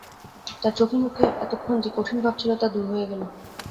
তাঁর চোখে-মুখে এতক্ষণ যে কঠিন ভাব ছিল তা দূর হয়ে গেল।